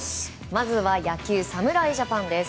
まずは野球侍ジャパンです。